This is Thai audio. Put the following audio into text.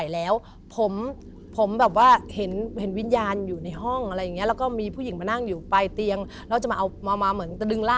แล้วก็จะเรียกเรา